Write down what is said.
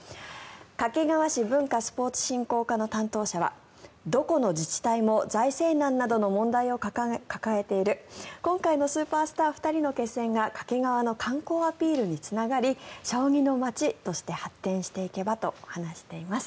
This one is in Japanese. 掛川市文化・スポーツ振興課の担当者はどこの自治体も財政難などの問題を抱えている今回のスーパースター２人の決戦が掛川の観光アピールにつながり将棋の街として発展していけばと話しています。